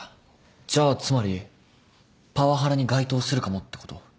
じゃあつまりパワハラに該当するかもってこと？